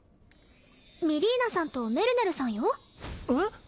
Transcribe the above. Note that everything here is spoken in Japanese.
ミリーナさんとメルネルさんよえっ？